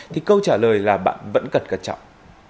thì câu trả lời là bạn vẫn cần cẩn trọng